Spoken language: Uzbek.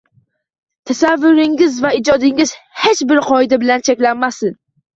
Tasavvuringiz va ijodingiz hech bir qoida bilan cheklanmasin